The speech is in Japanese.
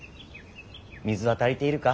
「水は足りているか？